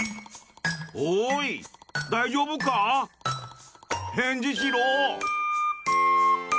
おーい、大丈夫か？返事しろ！